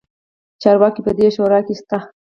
چارواکي په دې شورا کې شته.